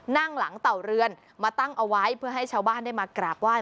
นั่งหลังเต่าเรือนมาตั้งเอาไว้เพื่อให้ชาวบ้านได้มากราบไห้